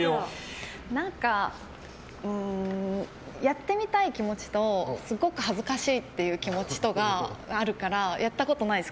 やってみたい気持ちとすごく恥ずかしいっていう気持ちとがあるからやったことないです